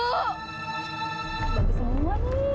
lagi semua nih